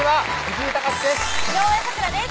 井上咲楽です